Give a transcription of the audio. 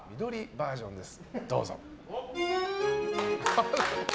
バージョンです。